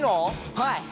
はい！